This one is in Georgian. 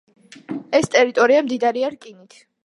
ეს ტერიტორია მდიდარია რკინით.